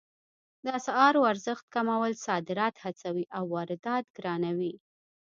د اسعارو ارزښت کمول صادرات هڅوي او واردات ګرانوي